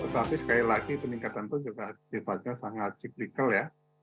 tetapi sekali lagi peningkatan itu juga sifatnya sangat cyclical ya